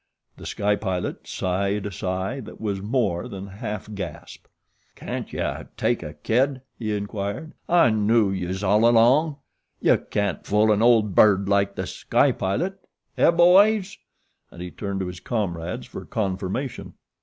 The Sky Pilot sighed a sigh that was more than half gasp. "Can't yuh take a kid?" he inquired. "I knew youse all along. Yuh can't fool an old bird like The Sky Pilot eh, boys?" and he turned to his comrades for confirmation.